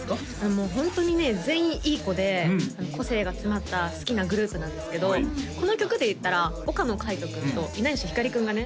もうホントにね全員いい子で個性が詰まった好きなグループなんですけどこの曲で言ったら岡野海斗君と稲吉ひかり君がね